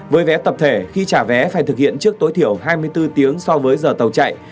với vé tập thể khi trả vé phải thực hiện trước tối thiểu hai mươi bốn tiếng so với giờ tàu chạy